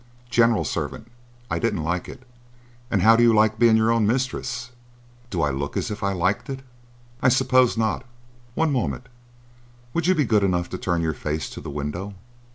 General servant. I didn't like it." "And how do you like being your own mistress?" "Do I look as if I liked it?" "I suppose not. One moment. Would you be good enough to turn your face to the window?"